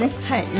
はい。